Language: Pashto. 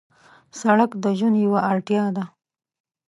سړک د ژوند یو اړتیا ده.